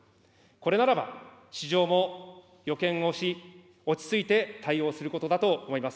これならば、市場も予見をし、落ち着いて対応することだと思います。